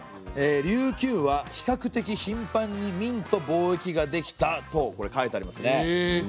「琉球は比較的ひんぱんに明と貿易ができた」と書いてありますね。